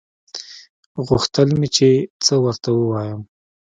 غوښتل مې چې څه ورته ووايم.